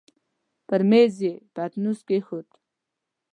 پر مېز يې پتنوس کېښود.